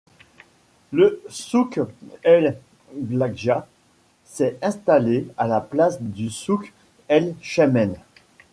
Le souk El Blaghgia, s'est installé à la place du souk El Chammaîne.